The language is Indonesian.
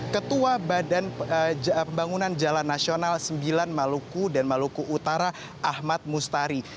ketua badan pembangunan jalan nasional sembilan maluku dan maluku utara ahmad mustari